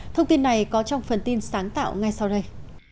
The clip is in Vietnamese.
thông tin này có trong phần tin sáng tạo ngay sau đây